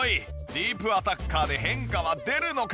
ディープアタッカーで変化は出るのか？